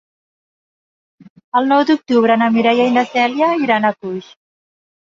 El nou d'octubre na Mireia i na Cèlia iran a Coix.